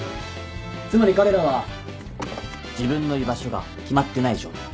つまり彼らは自分の居場所が決まってない状態。